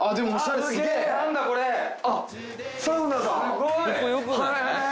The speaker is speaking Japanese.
すごい。へ。